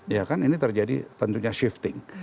ya kan ini terjadi tentunya shifting